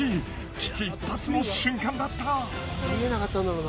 危機一髪の瞬間だった。